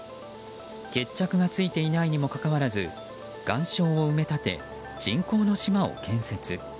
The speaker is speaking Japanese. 決着がついていないにもかかわらず岩礁を埋め立て人口の島を建設。